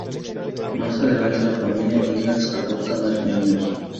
Más adelante, la familia Ingalls adopta más niños.